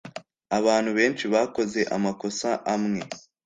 abantu benshi bakoze amakosa amwe